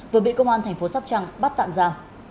vừa bị công an tp sắp trăng bắt tạm ra